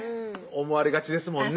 思われがちですもんね